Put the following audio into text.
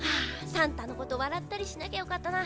さんたのことわらったりしなきゃよかったな。